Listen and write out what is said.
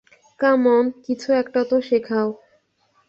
কাম on, কিছু একটা তো শেখাও।